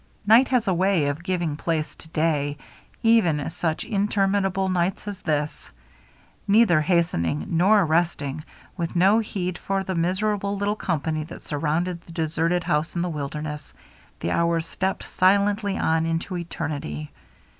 Night has a way of giving place to day, even such interminable nights as this. Neither hastening nor resting, with no heed for the miserable little company that surrounded the deserted house in the wilderness, the hours stepped silently on into eternity.